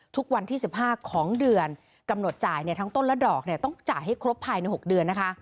ทุกวันที่๑๕ของเดือนกำหนดจ่ายทั้งต้นและดอกต้องจ่ายให้ครบภายใน๖เดือนนะคะ